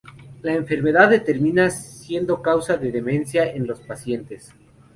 La enfermedad termina siendo causa de demencia en los pacientes.